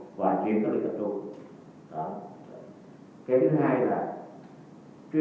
nhất là những f một trong gia đình những mối hợp hệ rất gần là ngay lập tức